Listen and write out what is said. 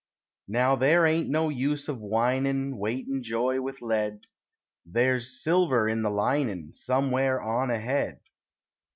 Now there ain't no use of whining Weightin' joy with lead; There is silver in the linin' Somewhere on ahead.